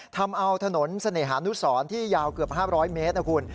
ทำเอาถนนเสน่หานุสรที่ยาวเกือบ๕๐๐เมตรนะคุณ